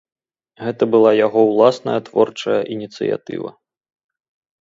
Гэта была яго ўласная творчая ініцыятыва.